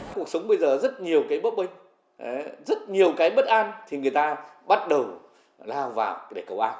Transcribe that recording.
cuộc sống bây giờ rất nhiều cái bop ấy rất nhiều cái bất an thì người ta bắt đầu lao vào để cầu an